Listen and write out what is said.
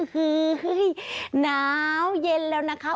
หื้อน้าวเย็นแล้วนะคะ